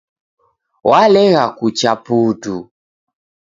Walegha kucha putu